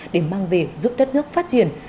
để mang về giúp đất nước phát triển